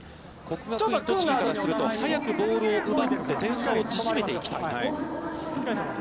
国学院栃木からすると、早くボールを奪って点差を縮めていきたいと。